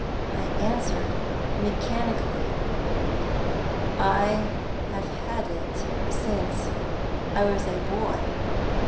I answered, mechanically: "I have had it since I was a boy."